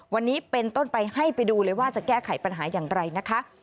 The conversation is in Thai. วันนี้เป็นต้นไปให้ไปดูเลยว่าจะแก้ไขปัญหาอย่างไรนะคะ